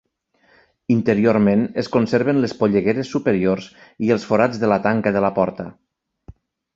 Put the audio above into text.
Interiorment es conserven les pollegueres superiors i els forats de la tanca de la porta.